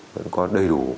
vẫn có đầy đủ